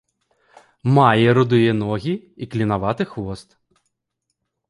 Мае рудыя ногі і клінаваты хвост.